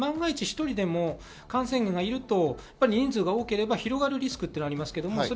万が一、１人でも感染源がいると人数が多ければ広がるリスクはあります。